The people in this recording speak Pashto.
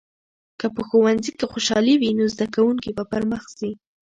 که په ښوونځي کې خوشالي وي، نو زده کوونکي به پرمخ بوځي.